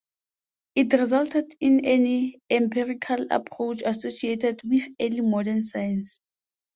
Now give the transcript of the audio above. It resulted in an empirical approach associated with early modern science.